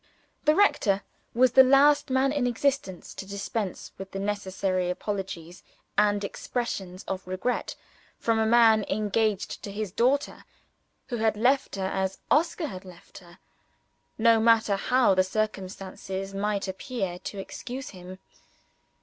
The rector was the last man in existence to dispense with the necessary apologies and expressions of regret from a man engaged to his daughter, who had left her as Oscar had left her no matter how the circumstances might appear to excuse him.